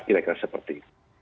kira kira seperti itu